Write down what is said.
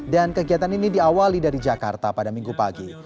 dan kegiatan ini diawali dari jakarta pada minggu pagi